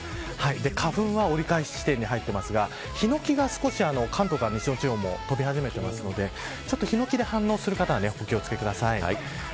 花粉は折り返し地点に入ってますがヒノキが少し関東から西の地方も飛び始めているのでヒノキで反応する方はお気を付けください。